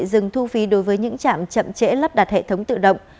từng thu phí đối với những trạm chậm chẽ lắp đặt hệ thống tự động